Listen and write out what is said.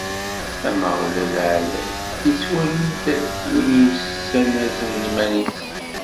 Ameɣlal ɛlay: ittwali-d win yessanazen iman-is.